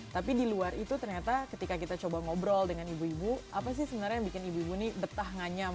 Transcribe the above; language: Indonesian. tapi di luar itu ternyata ketika kita coba ngobrol dengan ibu ibu apa sih sebenarnya yang bikin ibu ibu nih betah nganyam